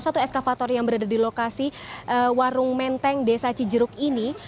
satu eskavator yang berada di lokasi warung menteng desa cijeruk ini